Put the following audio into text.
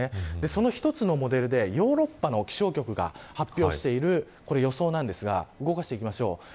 その一つのモデルでヨーロッパの気象局が発表している予想なんですが動かしていきましょう。